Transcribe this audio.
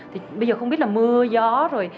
thì bây giờ không biết là mưa gió